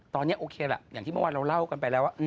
ตอนนี้โอเคล่ะอย่างที่เมื่อวานเราเล่ากันไปแล้วว่า